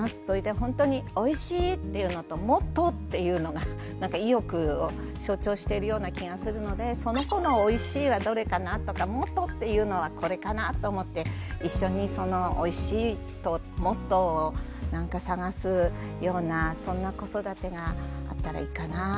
それでほんとに「おいしい」っていうのと「もっと」っていうのがなんか意欲を象徴しているような気がするのでその子の「おいしい」はどれかなとか「もっと」っていうのはこれかなと思って一緒にその「おいしい」と「もっと」をなんか探すようなそんな子育てがあったらいいかな。